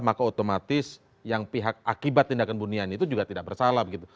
maka otomatis yang pihak akibat tindakan buniani itu juga tidak bersalah begitu